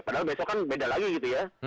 padahal besok kan beda lagi gitu ya